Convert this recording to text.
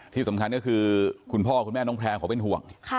ที่สำคัญก็คือคุณพ่อคุณแม่น้องแพลวเขาเป็นห่วง